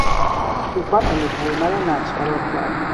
توفان امیدهای مرا نقش بر آب کرد.